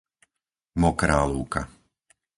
Mokrá Lúka